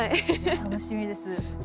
楽しみです。